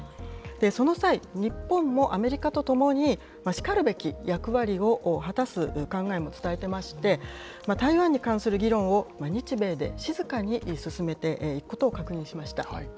その際、日本もアメリカと共に、しかるべき役割を果たす考えも伝えてまして、台湾に関する議論を日米で静かに進めていくことを確認しました。